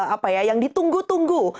apa ya yang ditunggu tunggu